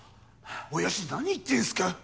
オヤジ何言ってんすか。